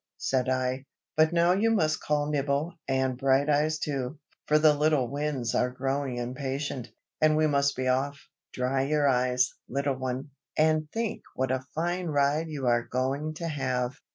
said I. "But now you must call Nibble, and Brighteyes too, for the little Winds are growing impatient, and we must be off. Dry your eyes, little one, and think what a fine ride you are going to have!"